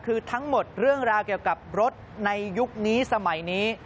คือทั้งหมดเรื่องราวเกี่ยวกับรถในยุคนี้สมัยนี้